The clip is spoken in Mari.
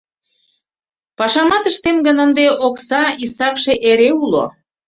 Пашамат ыштем гын, ынде окса исакше эре уло.